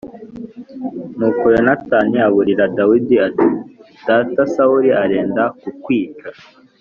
Nuko Yonatani aburira Dawidi ati “Data Sawuli arenda kukwica”